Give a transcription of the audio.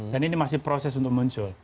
dan ini masih proses untuk muncul